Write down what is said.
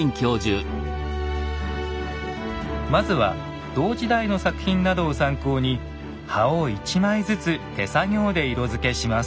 まずは同時代の作品などを参考に葉を一枚ずつ手作業で色づけします。